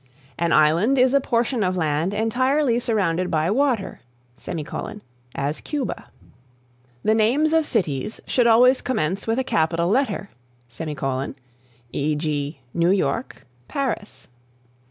"An island is a portion of land entirely surrounded by water; as Cuba." "The names of cities should always commence with a capital letter; e.g., New York, Paris."